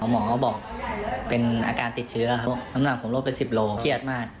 หมอก็บอกเป็นอาการติดเชื้อครับน้ำหนักผมลดไป๑๐โลเครียดมาก